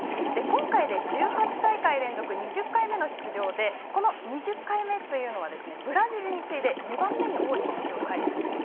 今回で１８大会連続２０回目の出場でこの２０回目というのはブラジルに次ぎ２番目に多いです。